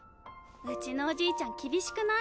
うちのおじいちゃん厳しくない？